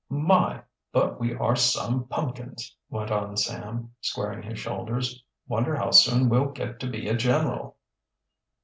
"My, but we are some pumpkins," went on Sam, squaring his shoulders. "Wonder how soon we'll get to be a general."